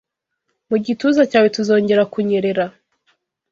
Mu gituza cyawe tuzongera kunyerera